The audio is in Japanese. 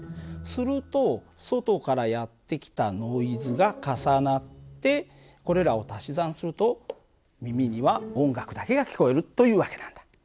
すると外からやって来たノイズが重なってこれらを足し算すると耳には音楽だけが聞こえるという訳なんだ。